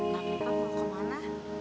nanti pak mau ke mana